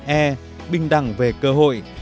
e bình đẳng về cơ hội